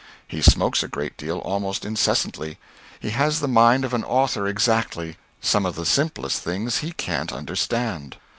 He smokes a great deal almost incessantly. He has the mind of an author exactly, some of the simplest things he cant understand.